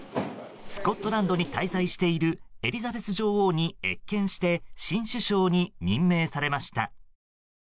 スコットランドに滞在しているエリザベス女王に謁見して新首相に任命されました。